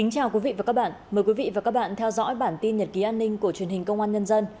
chào mừng quý vị đến với bản tin nhật ký an ninh của truyền hình công an nhân dân